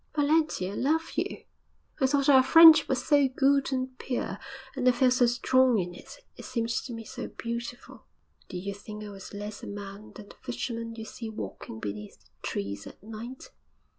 'Valentia, I love you.' 'I thought our friendship was so good and pure. And I felt so strong in it. It seemed to me so beautiful.' 'Did you think I was less a man than the fisherman you see walking beneath the trees at night?'